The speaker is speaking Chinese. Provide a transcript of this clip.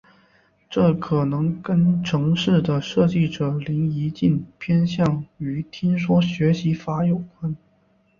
这可能跟程式的设计者林宜敬偏向于听说学习法有关。